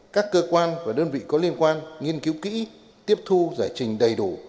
các cơ quan và đơn vị có liên quan nghiên cứu kỹ tiếp thu giải trình đầy đủ